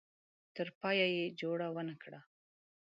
تر پایه یې جوړه ونه کړه.